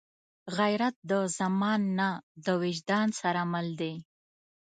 غیرت د زمان نه، د وجدان سره مل دی